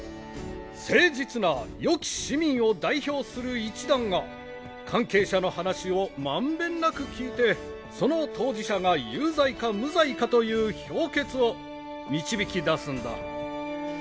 誠実なよき市民を代表する一団が関係者の話を満遍なく聞いてその当事者が有罪か無罪かという評決を導き出すんだ。